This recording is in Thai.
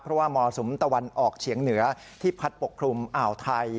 เพราะว่ามรสุมตะวันออกเฉียงเหนือที่พัดปกคลุมอ่าวไทย